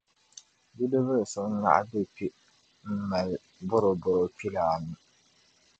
Bidib’ bil’ so n-naɣ’ be kpe m-mali bɔrobɔro kpila anu.